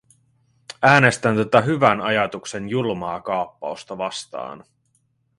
Äänestän tätä hyvän ajatuksen julmaa kaappausta vastaan.